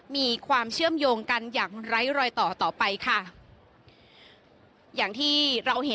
มีความเชื่อมโยงกันอย่างไร้รอยต่อไปค่ะ